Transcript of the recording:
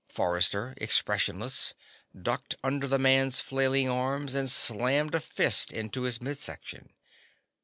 Forrester, expressionless, ducked under the man's flailing arms and slammed a fist into his midsection.